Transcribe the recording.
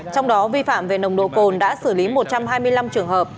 trong đó vi phạm về nồng độ cồn đã xử lý một trăm hai mươi năm trường hợp